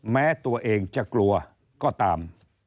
แม้ตัวเองจะกลัวก็ตาม